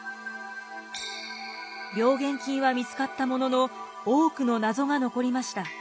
病原菌は見つかったものの多くの謎が残りました。